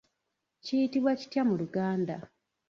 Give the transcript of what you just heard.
Kiyitibwa kitya mu Luganda?